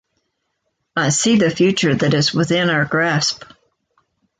I see the future that is within our grasp.